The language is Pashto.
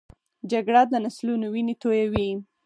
جګړه د نسلونو وینې تویوي